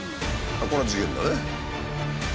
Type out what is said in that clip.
これは事件だね。